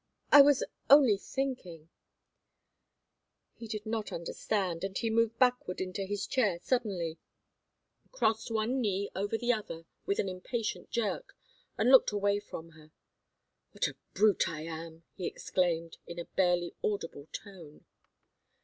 "I was only thinking " He did not understand, and he moved backward into his chair suddenly, crossed one knee over the other with an impatient jerk, and looked away from her. "What a brute I am!" he exclaimed, in a barely audible tone.